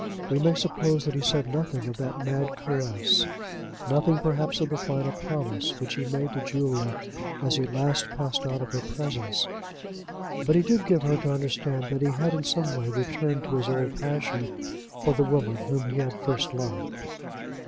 We may suppose that he said nothing of that mad caress, nothing, perhaps, of the final promise which he made to Julia as he last passed out of her presence; but he did give her to understand that he had in some way returned to his old passion for the woman whom he had first loved.